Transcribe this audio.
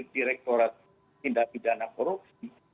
direkturat tindak bidana korupsi